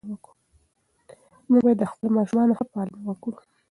موږ باید د خپلو ماشومانو ښه پالنه وکړو.